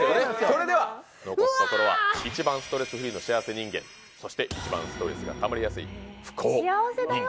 それでは残すところは一番ストレスフリーの幸せ人間そして一番ストレスがたまりやすい不幸人間幸せだよ